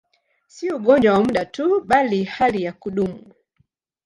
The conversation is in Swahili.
Si ugonjwa wa muda tu, bali hali ya kudumu.